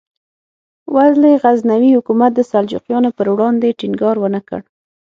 ولې غزنوي حکومت د سلجوقیانو پر وړاندې ټینګار ونکړ؟